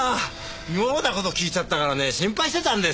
妙な事聞いちゃったからね心配してたんですよ。